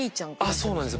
そうなんですよ